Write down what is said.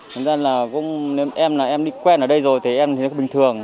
thế nên là em đi quen ở đây rồi thì em thấy nó bình thường